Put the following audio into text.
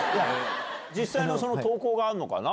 実際の投稿があるのかな。